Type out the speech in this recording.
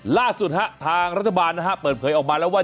ล่าสุดทางรัฐบาลนะฮะเปิดเผยออกมาแล้วว่า